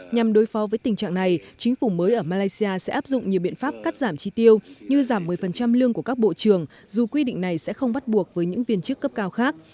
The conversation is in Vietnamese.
nhằm đối phó với tình trạng này chính phủ mới ở malaysia sẽ áp dụng nhiều biện pháp cắt giảm chi tiêu như giảm một mươi lương của các bộ trường dù quy định này sẽ không bắt buộc với những viên chức cấp cao khác